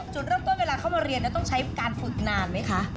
จุดเริ่มต้นเวลาเข้ามาเรียนต้องใช้การฝึกนานไหมคะ